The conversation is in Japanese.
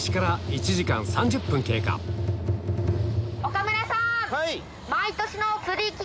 岡村さん！